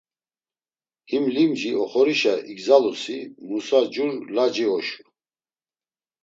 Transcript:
Him limci oxorişa igzalusi Musa jur laci oşu.